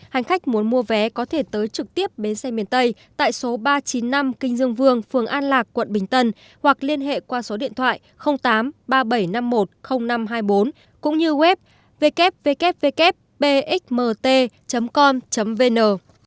hành khách muốn mua vé có thể tới trực tiếp bến xe miền tây tại số ba trăm chín mươi năm kinh dương vương phường an lạc quận bình tân hoặc liên hệ qua số điện thoại tám ba nghìn bảy trăm năm mươi một năm trăm hai mươi bốn cũng như web ww bxmt com vn